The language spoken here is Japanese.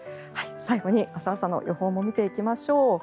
最後に明日朝の予報も見ていきましょう。